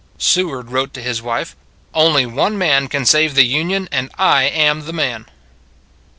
Seward wrote to his wife: " Only one man can save the Union, and I am the man."